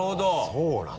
そうなんだ。